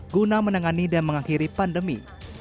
guna menangani dan mengakhiri pandemi